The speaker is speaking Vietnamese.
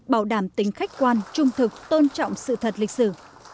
bảo đảm tính khách quan trung thực tôn trọng sự thật lịch sử